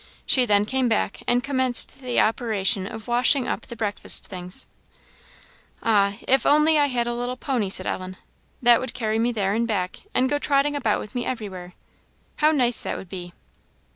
She then came back and commenced the operation of washing up the breakfast things. "Ah, if I only had a little pony," said Ellen, "that would carry me there and back, and go trotting about with me everywhere how nice that would be!"